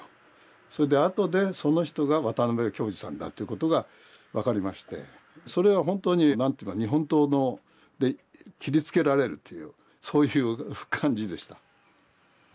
それで後でその人が渡辺京二さんだということが分かりましてそれは本当に何ていうか日本刀で斬りつけられるというそういう感じでした。